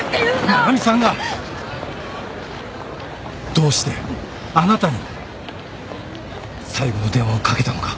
七海さんがどうしてあなたに最後の電話をかけたのか。